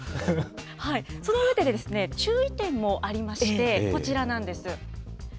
その上で、注意点もありまして、こちらなんです。